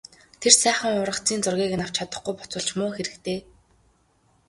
Тэр сайхан ургацын зургийг нь авч чадахгүй буцвал ч муу хэрэг дээ...